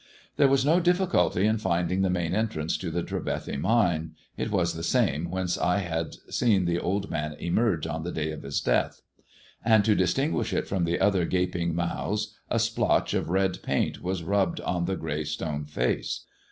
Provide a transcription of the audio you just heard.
There was no difficulty in finding the main entrance to the Trevethy Mine. It was the same whence I had seen the old man emerge on the day of his death. And to dis tinguish it from the other gaping mouths a splotch of red paint was rubbed on the grey stone face.